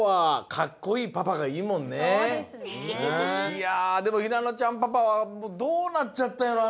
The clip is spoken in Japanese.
いやでもひなのちゃんパパはどうなっちゃったんやろ？